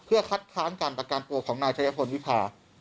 เพื่อคัดค้านการประกันตัวของนายชายพลวิพา